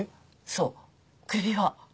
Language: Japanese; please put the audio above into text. そう首輪。